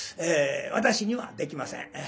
私にはできません。